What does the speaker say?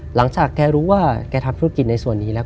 หลังจากแกรู้ว่าแกทำธุรกิจในส่วนนี้แล้ว